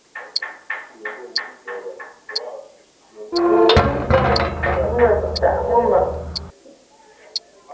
Bɨwi iba mbə taʼ mɨmbaŋ.